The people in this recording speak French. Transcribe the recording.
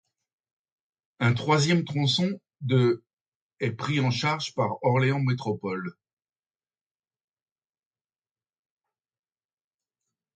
Un troisième tronçon de est pris en charge par Orléans Métropole.